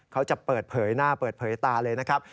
เขาจะเปิดเผยหน้าเปิดเผยตาเลยนะครับ